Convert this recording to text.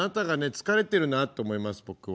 疲れてるなと思います僕は。